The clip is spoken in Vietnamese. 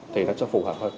thì nó sẽ phù hợp hơn